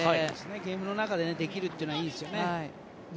ゲームの中でできるというのはいいですよね。